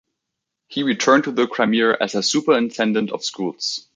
He returned to the Crimea as a superintendent of schools.